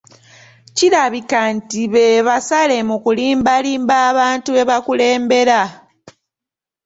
Kirabika nti be basaale mu kulimbalimba abantu be bakulembera.